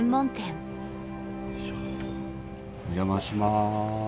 お邪魔します。